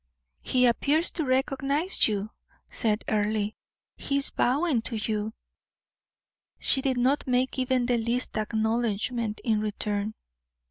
"He appears to recognize you," said Earle; "he is bowing to you." She did not make even the least acknowledgment in return.